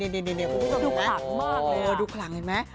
คุณผู้ชมดูขลังมากเลย